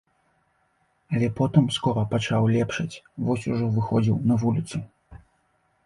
Але потым скора пачаў лепшаць, вось ужо выходзіў на вуліцу.